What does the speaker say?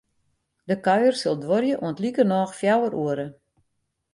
De kuier sil duorje oant likernôch fjouwer oere.